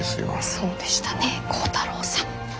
そうでしたね光太朗さん。